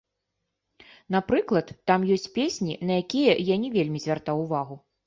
Напрыклад, там ёсць песні, на якія я не вельмі звяртаў увагу.